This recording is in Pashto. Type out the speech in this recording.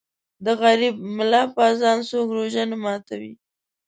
د غریب ملا په اذان څوک روژه نه ماتوي.